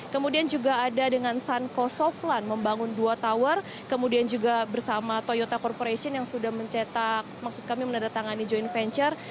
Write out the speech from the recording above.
kemudian juga ada dengan san kosovlan membangun dua tower kemudian juga bersama toyota corporation yang sudah mencetak maksud kami menandatangani joint venture